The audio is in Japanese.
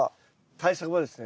対策はですね